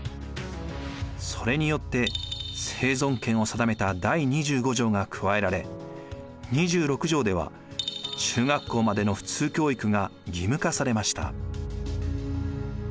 それによって生存権を定めた第２５条が加えられ２６条では中学校までの普通教育が義務化されました。